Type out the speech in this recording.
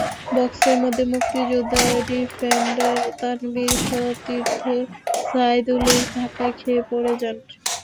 বক্সের মধ্যে মুক্তিযোদ্ধার ডিফেন্ডার তানভির সতীর্থ সাইদুলের ধাক্কা খেয়ে পড়ে যান।